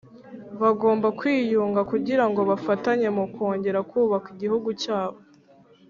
bagomba kwiyunga kugira ngo bafatanye mu kongera kubaka igihugu cyabo